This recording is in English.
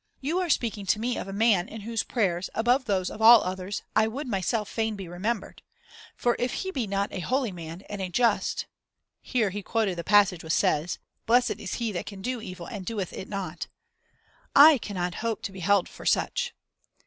You are speaking to me of a man in whose prayers, above those of all others, I would myself fain be remembered. For if he be not a holy man and a just" here he quoted the passage which says, "Blessed is he that can do evil and doeth it not" "I cannot hope to be held for such."